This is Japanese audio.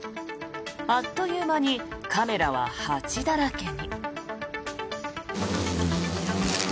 あっという間にカメラは蜂だらけに。